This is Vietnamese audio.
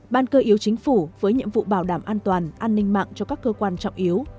ban cơ yếu chính phủ với nhiệm vụ bảo đảm an toàn an ninh mạng cho các cơ quan trọng yếu